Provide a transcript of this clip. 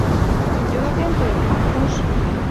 — Йӧратем тыйым, Аркуш...